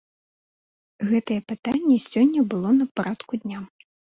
Гэтае пытанне сёння было на парадку дня.